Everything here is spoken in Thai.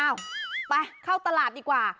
ไปเข้าตลาดดีกว่า